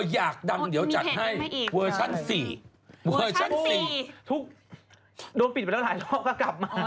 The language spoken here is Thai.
อยากดังเดี๋ยวจัดให้เวอร์ชัน๔เวอร์ชั่น๔ทุกโดนปิดไปแล้วหลายรอบก็กลับมา